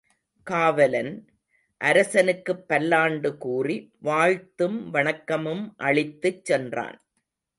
காவலன், அரசனுக்குப் பல்லாண்டு கூறி வாழ்த்தும் வணக்கமும் அளித்துச் சென்றான்.